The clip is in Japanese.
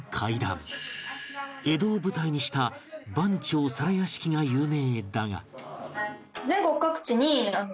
江戸を舞台にした『番町皿屋敷』が有名だが